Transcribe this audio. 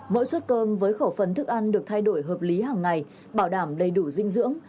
mỗi suất cơm với khẩu phần thức ăn được thay đổi hợp lý hàng ngày bảo đảm đầy đủ dinh dưỡng